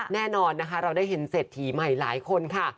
แน่นอนนะคะเราได้เห็นเศรษฐีใหม่หลายคนค่ะ